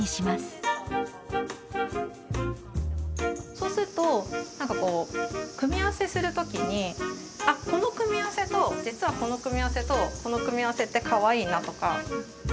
そうするとなんかこう組み合わせする時にあこの組み合わせと実はこの組み合わせとこの組み合わせってかわいいなとか。